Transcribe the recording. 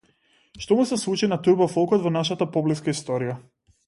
Што му се случи на турбо-фолкот во нашата поблиска историја?